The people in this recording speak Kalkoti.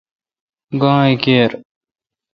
گاں کیر۔